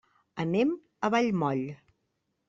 Anem a Vallmoll.